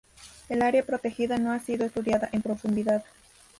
El área protegida no ha sido estudiada en profundidad.